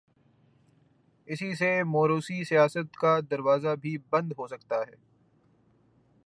اسی سے موروثی سیاست کا دروازہ بھی بند ہو سکتا ہے۔